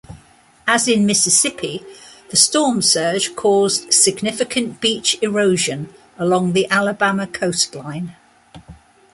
As in Mississippi, the storm surge caused significant beach erosion along the Alabama coastline.